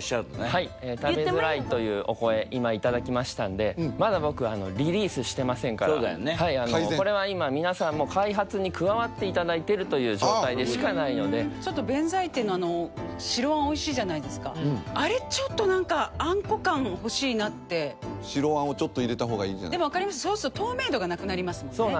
食べづらいというお声今頂きましたんでまだ僕リリースしてませんからこれは今皆さんも開発に加わっていただいてるという状態でしかないのでちょっと弁才天の白あんおいしいじゃないですかあれちょっと何かあんこ感欲しいなって白あんをちょっと入れた方がいいんじゃそうすると透明度がなくなりますもんね？